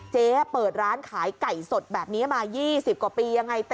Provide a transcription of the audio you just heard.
เปิดร้านขายไก่สดแบบนี้มา๒๐กว่าปียังไง